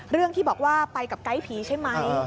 เรื่องที่บอกว่าไปกับไกด์ผีใช่ไหม